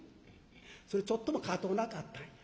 「それちょっともかとうなかったんや。